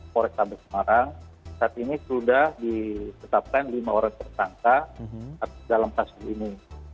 kores sambil semarang saat ini sudah disetapkan lima orang tertangka dalam kasus ini